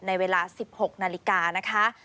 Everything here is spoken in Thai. ในเวลา๑๖นาฬิกานะคะ